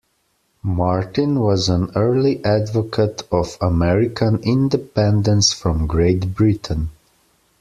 Martin was an early advocate of American independence from Great Britain.